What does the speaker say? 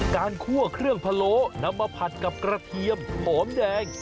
คั่วเครื่องพะโล้นำมาผัดกับกระเทียมหอมแดง